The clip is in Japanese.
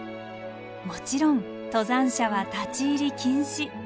もちろん登山者は立ち入り禁止。